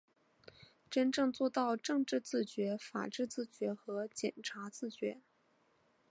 真正做到政治自觉、法治自觉和检察自觉